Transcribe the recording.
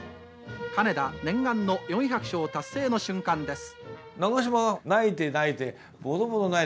金田念願の４００勝達成の瞬間です。